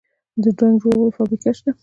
د رنګ جوړولو فابریکې شته